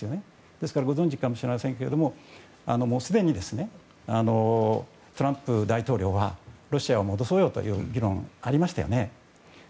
ですからご存じかもしれませんけどすでに、トランプ大統領はロシアを戻そうよという議論がありましたよね。